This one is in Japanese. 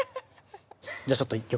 じゃあちょっと１曲。